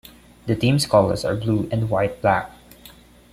The team's colors are blue and white-black.